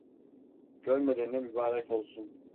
Görmeden de mübarek olsun!